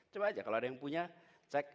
coba aja kalau ada yang punya cek